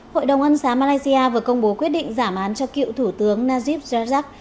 hội đồng ân xá malaysia vừa công bố quyết định giảm án cho cựu thủ tướng najib jazak